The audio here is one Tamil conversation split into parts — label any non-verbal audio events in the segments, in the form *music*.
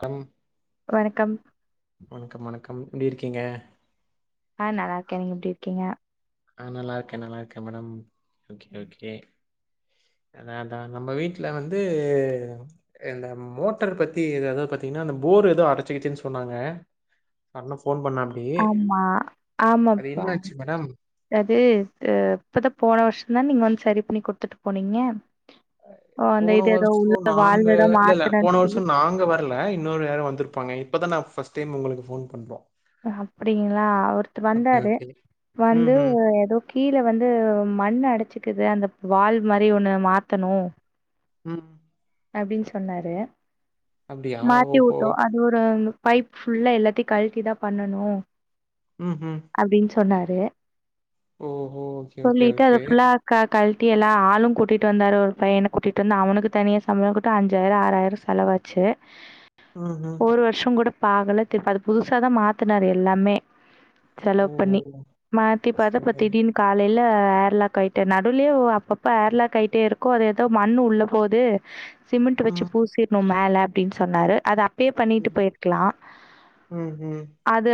கம். வணக்கம் வணக்கம் வணக்கம் எப்டிருக்கீங்க. ஆஹ் நல்லா இருக்கே. நீங்க எப்டி இருக்கீங்க. ஆஹ் நல்லாருக்கே நல்லா இருக்கே மேடம். ஓகே ம் ஓகே. அதா அதா நம்ம வீட்டுல வந்து. இந்த மோட்டர் பத்தி ஏதாவது பாத்தீங்கன்னா அந்த போர் ஏதோ அடச்சுக்கிச்சுன்னு சொன்னாங்க. அண்ண ஃபோன் பண்ணாப்படி ஆமா அது ஆமாப்பா என்ன ஆச்சு மேடம். அது ஆஹ் இப்பதா போன வருஷம் தா நீங்க வந்து சரி பண்ணி குடுத்துட்டு போனீங்க. ஓ அந்த போன இது ஏதோ வருஷோ உள்ள நாங்க வால்வு ஏதோ இல்ல இல்ல போன மாத்தனன்னு சொல்லி வருஷோ நாங்க வரல இன்னொரு யாரோ வந். வந்துருப்பாங்க இப்பதா நா ஃப்ஸ்ட்டைம் உங்களுக்கு ஃபோன் பண்றோ. அப்டிங்களா ஒருத்தர் ஓகே வந்தாரு ஓகே வந்து ம்ஹ்ம் ஏதோ கீழே வந்து மண் அடைச்சுக்குது அந்த. வால்வுமாரி ஒன்னு மாத்தணு. உம் அப்படின்சொன்னாரு அப்டியா மாத்தி ஓஹோ ஊட்டோ அது ஒரு. பைப் ஃபுல்லா எல்லாத்தையு கழட்டிதா பண்ணனு ம்ஹும் சொன்னாரு. ஓஹோ ஓகே ஓகே சொல்லிட்டு அத ஓகே ஃபுல்லா க கழட்டி எல்லா ஆளும் கூட்டிகிட்டு வந்தார் ஒரு பையனை கூட்டிட்டு வந்த அவனுக்கு தனியா சமளம் கூட்ட அஞ்சாயிர ஆறாயிரோ செலவாச்சு ம்ஹ்ம் ஒரு வருஷங்கூட பாகலை திருப்ப அது புதுசா தா மாத்தனாரு எல்லாமே. செலவு ஓஹோ பண்ணி. மாத்தி பாத்தா சரி இப்ப சரி திடீனு காலையில ஏர்லாகயிட்ட நடுவுலயே அப்பப்ப ஏர்லா கயிட்டிருக்கு அது ஏதோ மண்ணு உள்ள போகுது. சிமிண்ட் வச்சு ம் பூசிட்னு மேல அப்டின் சொ சொன்னாரு அது அ ப்பே பண்ணிட்டு ம் போயிர்க்லா ம் ம் அது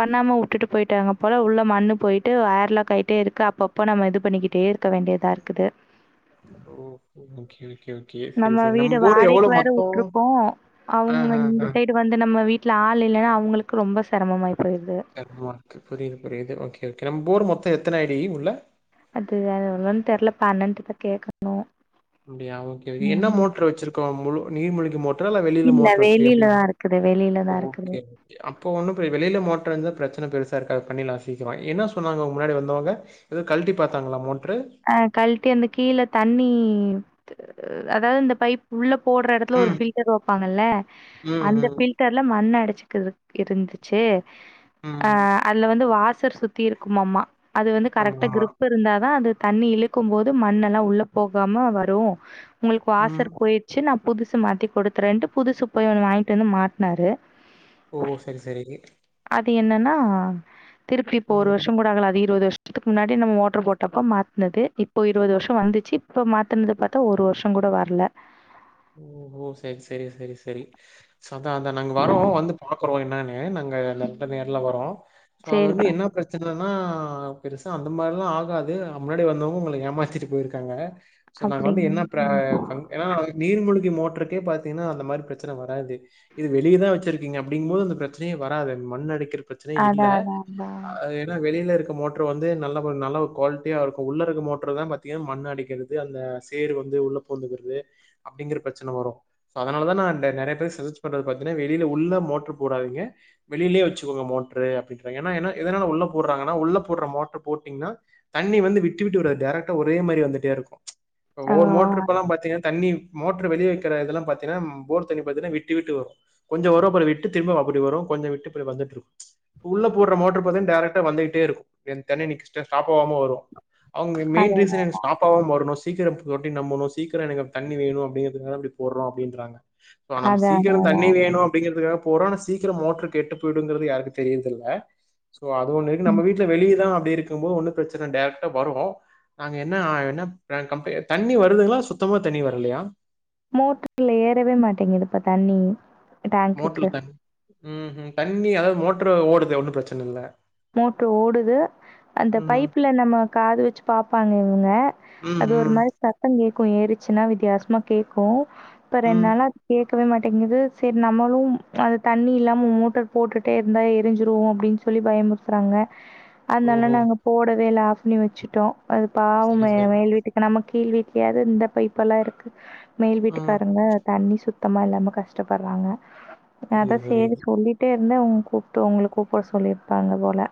பண்ணாமவுட்டுட்டு போயிட்டாங்க போல உள்ள மண்ணு போயிட்டு ஏர் லாக் ஆயிட்டே இருக்கு அப்பப்ப நம்ம இது பண்ணிக்கிட்டே இருக்க வேண்டியதா இருக்குது ஓஹோ ஓகே ஓகே ஓக் நம்ம வீட வாடைக்கு வேற விட்ருக்கோ ஆ அவ்ங்க ஆ ஆ இந்த சைடு வந்து நம்ம வீட் ட்ல ஆள் இல்லனா அவ்ங்களுக்கு ரொம்ப செரமமாய் கர்பமாருக்கு புரியுது புரியுது ஓகே ஓகே நம் போர் மொத்த எத்தன அடி உள்ள அது எவ்ளோனு தெர்ல இப்ப அண்ணங்கிட்ட கேக்கணு அப்டியா ஓகே ஓகே என்ன மோட்டரு வச்சிருக்கோ முழு நீர்முழுகி மோட் டரா வெளில இல்ல மோட்டரு வச்சிருகிய எப்பிடி வெளியில தான் இருக்குது. வெளியில தான் இருக்குது. ஓக்கே ஓகே அப்ப ஒன்னு ப வெளியில மோட்டரு இருந்தா பிரச் சன பெருசா இருக்காது பண்ணிர்லா சீக்ரோ என்ன சொன்னாங்க முன்னாடி வந்தவங்க ஏதோ கழ்ட்டி பாத்தாங்களா மோட் அஹ் கழ்ட்டி அந்த கீழ தண்ணி ஹ் அதாது இந்த பைப் உள்ள போடுற எடத்துல ஒரு ம் ஃபில்டர் வப்பாங்கல்ல ம் அந்த ம் ஃபில்டர்ல மண் அடை க்குது இருந்துச்சு ம் ஹ அ ம். அதுல வந்து வாஸ் சர் சுத்தி இருக்குமாம்மா அது வந்து கரக்டா ஆமாமா கிரிப் இருந்தாதா அது தண்ணி இழுக்கும் போது மண்ணெல்லா உள்ளே போகாம வரூம் உங்களுக்கு ம் வாசர் போயிச்சு நா புதுசு சு மாத்தி குடுக்றேன்ட்டு புதுசு போய் ஒண்ணு வாங்கிட்டு வந்து மாட்னாரு ஓ சரி சரி தி என்னன்னா திருப்பி இப்ப ஒரு ம் வருஷம் கூட ஆகலே அது இருவது வருஷ் இதுக்கு முன்னாடி நம்ம மோட்டர் போட்டப்ப மா இருந்தது இப்போ இருவது வருஷம் வந்துச்சி இப்ப மாத்தனது பாத்தா ஒரு வருஷம் கூட வர்ல ஓ ஓ சரி சரி சரி சரி ச தான் நாங்க வரோ வந்து பாக் ப்றோ என்னானு நாங்கள் எது இருந்தாலும் நேர்ல வரோ அது வந்து சேரிப்பா என்ன பிரச்சனைன்னா பெருசா அந்த மாறிலா ஆகாது முன்னாடி வந்தவங்க உங்கள ஏமாத்திட்டு போயிருக்காங்க சோ நாங்க வந்து அப்டின் என்ன பிரா ஃபங் நீீர்மூழ்கி மோட்டருக்கே பாத்தீங்கன்னா அந்த மாதிரி பிரச்சனை வராது இது வெளியதான் வச்சிருக்கீங்க அப்படிங்கும் போது அந்த பிரச்சனையே வராது மண்ணடிக்க பிரச்சனையே அதா இல்லே அதா அதா ஏன்னா வெளியில இருக்க பிர மோட்டர் வந்து நல்ல நல்ல ஒரு குவாலிட்டியா இருக்கும் உள்ளே இருக்கற மோட்டர் தான் பாத்தீங்கன்னா மண் அடிக்கிறது அந்த சேறு வந்து உள்ளே பூந்துக்கிறது அப்படிங்கிற பிரச்சனை வரும் அதனாலதான் நான் நிறைய பேர் சஜஸ்ட் பண்றது பாத்தீங்கன்னா வெளியில உள்ள மோட்ரு போடாதீங்க வெளியிலயே வச்சுக்கோங்க மோட்ரு அப்படின்றங்க ஏன்ன ஏன்னா எதனால உள்ள போடுறாங்கன்னா உள்ளே போடுற மோட்ரு போட்டீங்கன்னா தண்ணி வந்து விட்டு விட்டு விடறது டைரக்டா ஒரே மாதிரி வந்துட்டே இருக்கும் ஆ ஒவ்வொரு மோட்டரு இப்பெல்லாம் பாத்தீங்கன்னா தண்ணி மோட்டர் வெளி வைக்கிற இதெல்லாம் பாத்தீங்கன்னா போர் தண்ணி பாத்தீங்கன்னா விட்டு விட்டு வரும் கொஞ்ச வருவாம் பாரு விட்டு திரும்ப இப்படி வரும் கொஞ்சம் விட்டு போய் வந்துட்டு இரு உள்ளே போடுற மோட்டர் பாத்திங்கன்னா டைரக்டா வந்துட்டே இருக்கும் தண்ணி ஸ்டாப் ஆவாம வரும் அவங்க மெயின் அதா அதா ரீசனே ஸ்டாப் ஆவாம வரணும் சீக்கரம் தொட்டி நம்புணோ சீக்கர எனக்கு அப் தண்ணி வேணு அ அப்டிகுறதுனால அப்டி போட்றோ அப்புடின்றாங்க ப நம் அதா அதா சீக்கிரம் அதா தண்ணி வேணு அப்டிங்கிறதுக்காக போட்றோன்னு சீக்கிரம் மோட்ரு கெட்டு போயிடுங்கறது யாருக்கு தெரியிர்தில்ல இப்போ அது ஒண்ணு இருக்கு ம் நம்ம வீட்ல வெளியிதா ப்டி இருக்கும்போது ஒன்னு பிரச்சன டெரெக்டா வரூ நாங்க என்ன ஆ என்ன பிராண்ட் கம்ப்பே தண்ணி வருதுங்களா சுத்தமா தண்ணி வரலையா மோட்ருல்ல ஏறவே மாட்டேங்குதுப்பா தண்ணி கு டேங்க்குக்கு ம் ம் தண்ணி அதாவது மோட்டரு ஓடுது ஒன்னும் பிரச்சன இல்ல மோட்ரு ஓடுது அந்த ம். பைப்புல நம்ம காது வெச்சு பாப்பாங்க இவங்க ம், அது ஒரு ம், மாரி சத்தம் கே க்கு ஏறுச்சுன்னா வித்தியாசமா கேக்கூ ப்ப ரென் ம். னாலே கேக் க்கவே மாட்டேங்குது சரி நம்மளும் அது தண்ணி இல்லாம மோட்டர் போட்டுட்டே இருந்தா எரிஞ்சிருவோம் அப்படின்னு சொல்லி பயமுறுத்து பேசுறாங்க அதனால ஓஹோ! நாங்க போடவேல்ல பண்ணி வெச்சுட்டோ அது பாவம சரி, சரி. மேல் வீட்டுக்கு நமக் கீழ் வீட்லயாவது இந்த பைப்பெல்லா இருக்கு மேல் ஆ வீட்டுக்காரருங்க தண்ணி சுத்தி சுத்தமா இல்லாம கஷ்டப்படுறாங்க அதா புரியுது, சேரி புரியுது. சொல்லிட்டே இருங்க கூப்பிட்டு உங்கள கூப்பிடட்டு சொல்லியிருப்பாங்க போ ல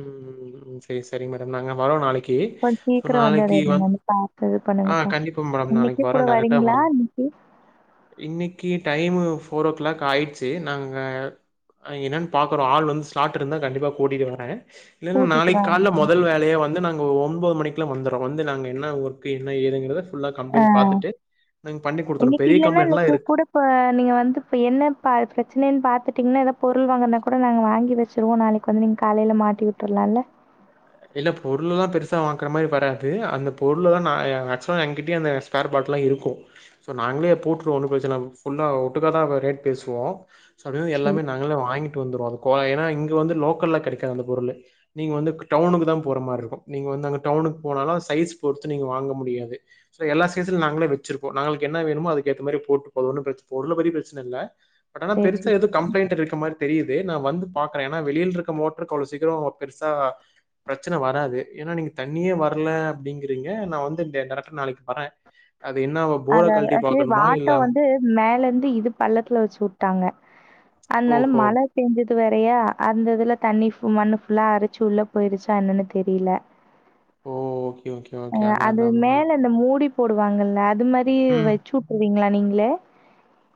ம் ம் ம் சரி சரி மேடம் நாங்க அப் கொஞ் சீக்கிரோ வந் வந்துடையதுனு பாத்து ஆ கண்டிப்பா மேடம் நாளைக்கு வரும் டெராக்டா வ இன்னைக்கு இன்னக்கி டைம் மு ஃபோர் ஓ கிளாக் ஆயிடுச்சு நாங்க என்னான்னு பாக்குறோம் ஆள் வந்து ஸ்லாட் இருந்தா கண்டிப்பா கூட்டிட்டு வரேன் இல்லைன்னா கூட்டிட்டு நாளைக்கு வாங்க. காலைல மொதல் வேலையா வந்து நாங்க ஒ ஒம்போது மணிக்லாம் வந்துரும் வந்து நாங்க என்ன ஒரு து என்ன ஏதுங்கது அஹ் குடுத்துறோம். பெரிய இன்னிக்கில்லன்னா கம்ப்ளைண்ட்லாம் இன்னைக்கு இருக்கு. கூட இப்ப நீங்க வந்து இப்ப என்ன பிரச்சனைன்னு பாத்துட்டீங்கன்னா ஏதாப் பொருள் வாங்கன்னா கூட நாங்க வாங்கி வச்சிருவோம் நாளைக்கு வந்து நீங்க காலைல மாட்டி வுட்ரலாயில்ல இல்ல பொருள்லாம் பெருசா வாங்குற மாரி வராது அந்த பொருள்தாம் நா மேக்சிமம் எங்க்கிட்டயே அந்த ஸ்பேர் பாட்லாம் இருக்கும் சோ நாங்களே போட்டுருவோம் ஒன்னு பிரச்சன இல்ல ஃபுல்லா ஒட்டுக்காாதான் ரேட் பேசுவோம் சொல்றது சரி, எல்லாமே நாங்களே வாங்கி ட்டு வந்துரோ அது ஏன்னா இங்க வந்து லோக்கல்ல கிடைக்காது அந்த பொருளு நீங்க வந்து டவுனுக்கு தான் போற மாரி இருக்கும் நீங்க வந்து அங்க டவுனுக்கு போனாலும் சைஸ் பொறுத்து நீங்க வாங்க முடியாது சோ எல்லா சைஸ்ல நாங்களே வச்சிருப்போம் நாங்களுக்கு என்ன வேனுமோ அதுக்கு ஏத்த மாரி போட்டு போது ஒன்னும் பிரச்சனை ஒன்னு பெரிய பிரச்சனை இல்ல பட்டானா சரி, பெருசா சரி. எது கம்ளைண்ட் இருக்க மாரி தெரியுது நான் வந்து பாக்றேன் ஏனா வெளியில்ருக் மோட்டருக்கு அவ்வளோ சீக்கரம் பெருசா பிரச்சனை வராது ஏன்னா நீங்க தண்ணீயே வரல அப்படிங்கறீங்க நான் வந்து இந்த *unintelligible* நாளைக்கு வறேன் அத அது வாட்டம் வந்து மேல இருந்து இது பள்ளத்துல வெச்சு வுட்டாங்க அதனால ஓஹோ! மழை பேஞ்சு து இது வேரையா அந்த இதுல தண்ணி மண்ணு ஃபுல்லா அறிச்சு உள்ள போயிருச்சா என்னன்னு தெரியில ஓ! Okay, okay, okay. அஹ் அதான், அது அதான். அதான். மேல இந்த மூடி போடுவாங்கல்ல இது மாரி வெச்சு வுட்ரீங்களா நீங்ளே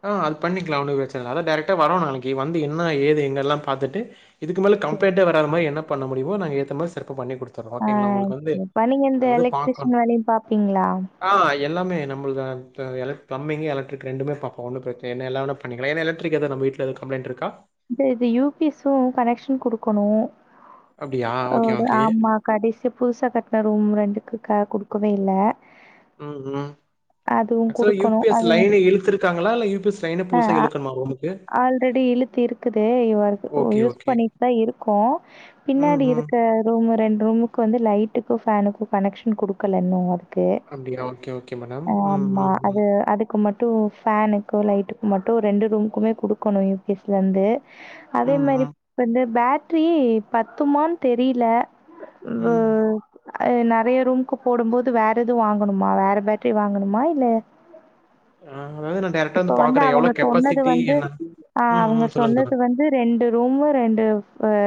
ஆஹ் அது பண்ணிக்கலா ஒன்னு பிரச்சன இல்ல அதா டைரக்டா வரோ நாளைக்கு வந்து என்னா ஏது எங்கல்லா பாத்துட்டு இது மேல கம்ப்ளைன்டே வராத மாரி என்ன பண்ண முடியுமோ நாங்க ஏத்த மாரி செய் ப்ப பண்ணி குடுத்திட்றோம் ஆ ஓகேங்களா உங்களுக்கு வந்து இப்ப நீங்க இந்த அது வந்து பாக்கணும் எலக்ட்ரிஷியன் வேலையும் பார்ப்பீங்களா? ஆஹ் எல்லாமே நம்பில்தா த எலக் பிளம்பிங்கு எலக்ட்ரிக் ரெண்டுமே பாப் ஒன்னு பிரச்சனை இல்ல எல்லாவேனா பண்ணிக்கலா ஏன்னா எலக்ட்ரிக் ஏது நம்ம வீட்ல ஏது கப்ளைண்ட் இருக்கா இந்த இது யூ பி எஸும் கனெக்ஷன் குடுக்கணும் அப்டியா? ஓகே, ஒரு ஓகே. ஆமா கடைசி புதுசா கட்டின ரூம் ரெண்டுக்கு குடுக்கவே இல் இல்ல உம் ம் அதுவும் ஆக்சுவலா யூ குடுக்கணும் பி எஸ் அது லைன இழுத்துருக்காங்களா? இல்ல யூ பி எஸ் லைன புதுசா அஹ் இழுக்கணுமா ரூமுக்கு? ஆல்ரெடி இழுத்து இருக்குது இ ஓகே, யூஸ் ஓகே. பண்ணிட்டு தான் இருக்கும் ம், பின்னாடி ம். இருக்க ரூம் ரெண்டு ரூமுக்கு வந்து லைட்டுக்கு ஃபேனுக்கு கனெக்ஷன் குடுக்கல இன்னும் அப்டியா ஓகே ஓகே மன் ஆமா அது அதுக் க்கு மட்டு ஃபேனுக்கு லைட்டுக்கு மட்டும் ரெண்டு ரூம்க்குமே குடுக்கணும் யு பி எஸ் லேந்து அதே ம், மாதிரி ம், வந்து பேட் பற்றி பத்துமான்னு தெரியல ம். உம் நிறைய ரூமுக்கு போடும் போது வேற எதுவும் வாங்கணுமா வேற பேட் சுட்டி வாங்கணுமா இல்ல அ அதாவது நான் டைரக்ட்டா இப்ப வந்து பாக்குறேன். எவ்ளோ அவங்க சொன்னது கெப்பாசிட்டி வந்து என்ன? ஆஹ் ம், அவங்க ம். சொல்லுங்க, சொன்னது சொல்லுங்க. வந்து ரெண்டு ரூம் ரெண்டு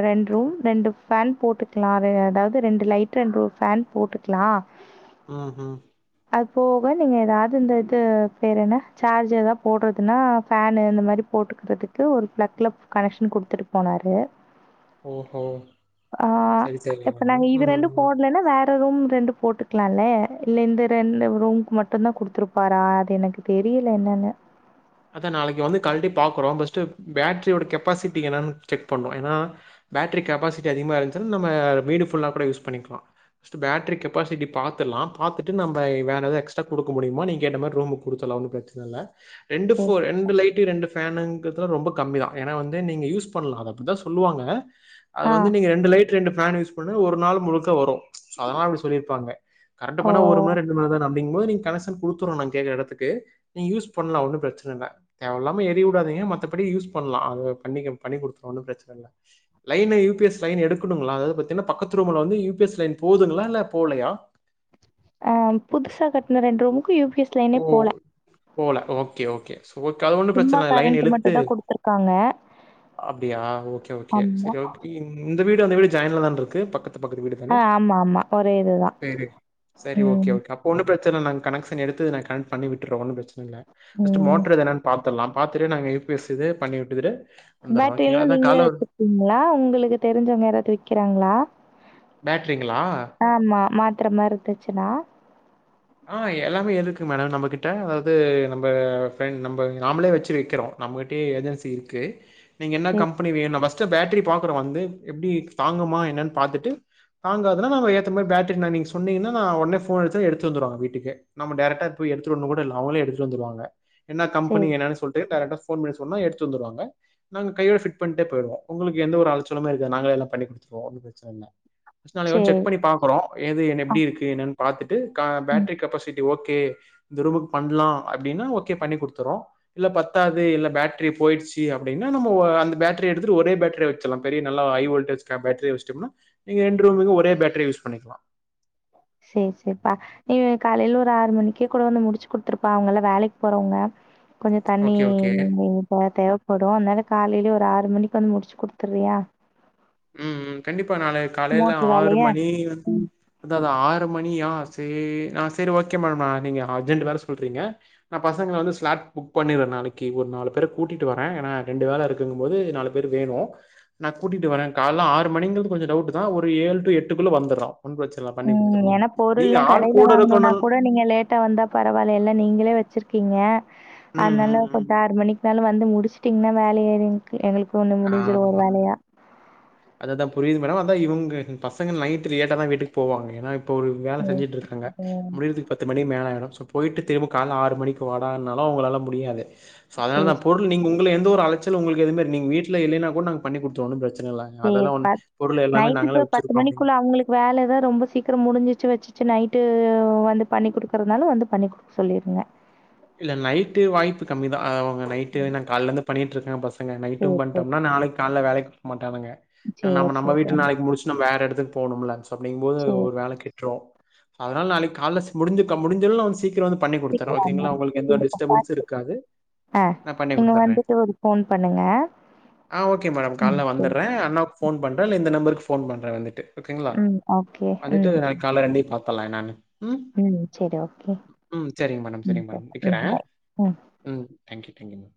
ரெண்டு ரூம் ரெண்டு ஃபேன் போட்டுக்கலாம் அதாவது ரெண்டு லைட் ரெண்டு ஃபேன் போட்டுக்கலாம் ம் உம் அது போக நீங்க ஏதாவது இந்த இது பேற என்ன சார்ஜ் ஏதாவ போடுறதுன்னா ஃபேனு இந்த மாதிரி போட்டுக்கிறதுக்கு ஒரு பிளக்ல கனெக்ஷன் கொடுத்துட்டு போனாரு ஓஹோ! ஆஹ் சரி, சரி இப்ப மேடம். நாங்க இது ம், ரெண்டும் ம். போடலன்னா வேற ரூம் ரெண்டு போட்டுக்கலால்லே இல்ல இந்த ரெண்டு ரூம்க்கு மட்டும்தான் குடுத்துருப்பாரா அது எனக்கு தெரியல என்னன்னு அதா நாளைக்கு வந்து கல்லட்டி பாக்குறோ பர்ஸ்ட் பேட்டரியோட கெப்பாசிட்டிக்கு என்னு செக் பண்ணோம் ஏன்னா பேட்டரி கெப்பாசிட்டி அதிகமா இருந்துச்சாலு நம்ம வீடு ஃபுல்லா கூட யூஸ் பண்ணிக்கலாம் பர்ஸ்ட் பேட்டரி கெப்பாசிட்டி பாத்துலா பாத்துட்டு நம்ம வேற ஏதது எக்ஸ்ட்ரா கொடுக்க முடியுமா நீ கேட்ட மாதிரி ரூமுக்கு கொடுத்துலாம் ஒன்னும் பிரச்சனை இல்லை ரெண்டு சரி. *unintelligible* ரெண்டு லைட ரெண்டு ஃபேனுங்கிறதுலாம் ரொம்ப கம்மி தான் ஏன்னா வந்து நீங்க யூஸ் பண்ணலாம் அத அப்படிதா சொல்லுவாங்க அது ஆ. வந்து நீங்க ரெண்டு லைட் ரெண்டு பேன் யூஸ் பண்ண ஒரு நாள் முழுக்க வரும் சோ அதனால அப்படி சொல்லிருப்பாங்க கரண்ட் ஓ! போன ஒரு மண ரெண்டு மணிதான நம் *unintelligible* கனெஷன் கொடுத்து கேக்கற இடத்துக்கு நீ யூஸ் பண்ணலாம் ஒட பிரச்சன இல்ல தேவ இல்லாம எறிய உடாதீங்க மத்தபடி யூஸ் பன்னாலா *unintelligible* ஒன்னு பிரச்சன இல்ல லைன் இருக்கர *unintelligible* எடுக்க முடில *unintelligible* பக்கத்துலேயே ரூம் வந்து யூ பி எஸ் லைன் போகுதுங்களா இல்ல போலையா ஆஹ் புதுசா கட்டின ரெண்டு ரூ ஓ போல ஓகே ஓகே அது ஒன்னு சும்மா பிரச்சன இல்ல லைன் கரண்ட் இழுத்து மட்டும் தான் குடுத்துருக்காங்க. அப்படியா ஒகே ஒகே ஆமா. செர் ஒகே *unintelligible* இந்த வீடு அந்த வீடு ஜாயின்ல தான்ருக்கு பக்கத் து பக்கத்து வீடு தான ஆ ஆமாமா. ஒரே இதுதான். செரி செரி ஓகே ம். ஓகே அப்ப ஒன்னு பிரச் த்து நாங்க கனெக்க்ஷன் எடுத் இது நான் கன் பண்ணி விட்டுறோ ஒன்னு பிரச் இல்ல ஃபஸ்ட் ம். மோட்டர் எதனான் பாப் பெல்லா பாத்துரு நாங்க யூ பி எஸ் இது பண்ணிவுட்டுருது பேட்டரியெல்லா நீங்களே வச்சிருக்கீங்களா உங்களுக்கு தெரிஞ்சவங்க யாராவது விக்கிறாங்களா பேட்ரிங்களா ஆ மாத்திரமா இருந்துச்சின்னா ஆ எல்லாமே இருக்கு மேட நம்ம கிட்ட அதாவது நம்ப பிரெண் நம்ம நாமளே வச்சு வெக்கிறோ நம்மகிட்டயே ஏஜென்சி இருக்கு நீங்க என்ன சரி கம்பனி வேணும்ஸ்ட் பேட்டரி பா்கறோ வந்து எப்படி தாங்குமா என்னனு ூ தாங்காதுனா நம்ம ஏத்த மாரி பேர் ூ உே போன் எடு எடுத்து எடுத்து வந்துருவாங்க வீட்டுக்கு நம்ம டேரக்டா போய் எடுத்துட்டு வரனு கூடல்ல அவங்களே எடுத்துட்டு வந்துருவாங்க என்ன சரி கம்பனி என்னன்னு சொல்ட்டு டைரக்டா போன் பண்ணி சொன்னா எடுத்து வந்துருவாங்க நாங்க கையோட ஃபிட் பண்ணிட்டே போய்ருவோ உங்களுக்கு எந்த ஒரு அலசலமே இருக்காது நாங்க எல்லா பண்ணி குடுத்துருவோ ஒன்னு பிரச்சன இல்ல ஃபஸ்ட் நாளைக்கு வந்து செக் சரி பண்ணி பாக்குறோ எது என்ன ஆ எப்டி இருக்கு என்னன்னு பாத்துட்டு ஆ ம் பேட்டரி கெப்பாசிட்டி ஓகே ஓகே இந்த ரூமுக்கு பண்ணலா அப்படின்னா ஓகே பண்ணி குடுத்துறோ இல்ல பத்தாது இல்ல பேட்டரி போயிடுச்சு அப்படின்னா நம்ம அந்த பேட்டரி எடுத்துட்டு ஒரே பேட்டரியா வச்சிருல்லா பெரிய நல்லா ஹை வோல்டேஜ் பேட்டரிய வச்ட்டோம்னா நீங்க ரெண்டு ரூமுக்கு ஒரே பேட்டரி யூஸ் பண்ணிக்கலா செரி செரிப்பா நீ காலையில ஒரு ஆறு மணிக்கே கூட வந்து முடிச்சு குடுத்துருப்பா அவுங்கல்லா வேலைக்கு போறவங்க கொஞ்சோ தண்ணி ஓகே, ஓகே. ப தேவப்படு அனால காலையில ஒரு ஆறு மணிக்கு வந்து முடிச்சு குடு திரியா ம் ம் கண்டிப்பா நாளை காலையில ஆறு வேலைய மணி ம் அதா அதா ஆறு மணியா சே ஆ சேரி ஓகே மா நீங்க அர்ஜென்ட வேற சொல்றீங்க நா பசங்கள வந்து ஸ்லாட் புக் பண்ணிறே நாளைக்கு ஒரு நாலு பேர கூட்டிட்டு வரே நா ரெண்டு வேல இருக்குனுங் போது நாலு பேர் வேணு நா கூட்டிட்டு வரே கால்ல ஆறு மணிங்கறது கொஞ்சோ டவுட் தா ஒரு ஏழு டு எட்டுக்குள்ள வந்துரோ ம் ஏன்னா பொருள்லா கடையில கூட வாங்கணுனா இருக்கணுன் கூட நீங்க லேட்டா வந்தா பரவால்ல எல்லா நீங்களே வச்சிருக்கீங்க ம் ம் அதனால ம் கொஞ்ச ஆறு மணிக்கு அதால வந்து முடிச்சுட்டீங்னா வேல ஏறி எங்கு எங்களுக்கு ஒண்ணு முடிஞ்சிரும் ஒரு ஆமா வேலையா. அதுதா புரியுது மேடம் அதா இவுங் பசங்க நைட் லேட்டா தா வீட்டுக்கு போவாங்க ஏன்னா இப்ப ஒரு வேல செஞ்சிட்டு இருக்காங்க முடியுறதுக்கு பத்து மணி மேல ஆயிரு போய்ட்டு திரும்ப கால ஆறு மணிக்கு வாடானாலு அவுங்களால முடியாது சோ அதனால சரி, தா பொருள் நீங்க உங் இல்ல எந்த ஒரு அலச்சல் உங்களுக்கு எதுமேயிரு நீங்க வீட் இல்ல இல்லைன்னா கூட நாங்க பண்ணி குடுத்துருவோம் ஒன்னும் பிரச்சனை சேர் பா நைட்டுக்கு பத்து வச்சிருக்கோம் அப்டின்னு. மணிக்குள்ள அவுங்களுக்கு வேலதான் ரொம்ப சீக்கிரம் முடிஞ்சிச்சு வச்சு சு நைட்டு வந்து பண்ணி குடுக்கறதுனாலும் வந்து பண்ணி குடுக்க சொல்லிருங்க இல்ல நைட்டு வாய்ப்பு கம்மி தான் ஏன்னா நைட்டு நான் கால இருந்து பண்ணிட்ருக்கேன் பஸ் ங்க சரி, நைட்டும் சரி. பண்ட்டோம்னா நாளைக்கு காலேல வேலைக்கு ஆமாங்க சரி, நம்ம நம்ம சரி. வீட்டு ஆமா. நாளைக்கு முடிச்ட்டு நம்ம வேற எடத்து எடத்துக்கு போனும்லா அப்டிங்கும் போது சரி. ஒரு வேல கெட்ரும் அதுனால நாளைக்கு கால முடுஞ்சுக்கா முடுஞ்சளவு நா வந்து சீக்கரம் வந்து பண்ணி குடுதற்றேன் சீக்கிரம் ஓகே திங்லா வாங்க. உங்களுக்கு எந்த நீங்க பா- டிஸ்டபன்ஸ்ஸூம் இருக்காது ஆ நான் பண்ணி நீங்க குடுத்துறேன் வந்துட்டு ஒரு ஃபோன் பண்ணுங்க. ஆஹ் ஓகே மேடம் ம். கால்ல சரி. வந்துறேன் அண்ணாவுக்கு போன் பண்றேன் இல்ல இந்த நம்பருக்கு ஃபோன் பண்றேன் வந்துட்டு ஓகேங்களா ம். ஓகே. வந்துட்டு நாளைக்கு காலேல ரெண்டையும் பாப்போம் பாத்தல்லா என்னானு உம் சரி ஓகே சரிங்க மேடம் ம். சரிங்க மேடம் சரி. ம். வக்கிறேன் பாய். ம். உம் தங்க்யூ தங்க்யூ மேம்